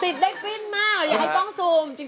ติดได้ปิ๊นมากอย่าต้องซูมจริง